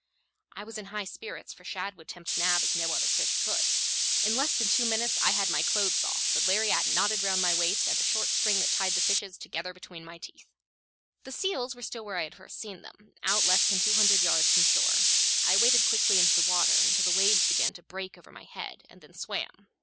I was in high spirits, for shad would tempt Nab as no other fish could. In less than two minutes I had my clothes off, the lariat knotted round my waist, and the short string that tied the fishes together between my teeth. The seals were still where I had first seen them, out less than two hundred yards from shore. I waded quickly into the water until the waves began to break over my head, and then swam.